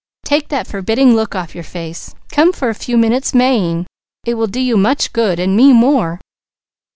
Take that forbidding look off your face. Come for a few minutes Maying! It will do you much good, and me more.